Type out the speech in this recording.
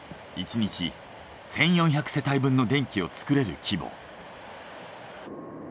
１日１，４００世帯分の電気を作れる規模。